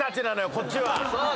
こっちは。